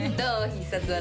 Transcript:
必殺技。